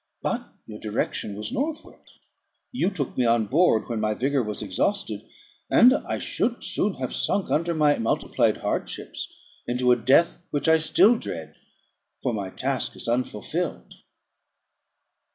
But your direction was northward. You took me on board when my vigour was exhausted, and I should soon have sunk under my multiplied hardships into a death which I still dread for my task is unfulfilled.